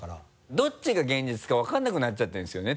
どっちが現実か分からなくなっちゃってるんですよね？